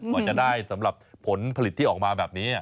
กว่าจะได้สำหรับผลผลิตที่ออกมาแบบนี้